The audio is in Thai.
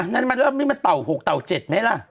นี่แม่ต่าลุบนี่มาเต่าหกเต่าเจ็ดไหม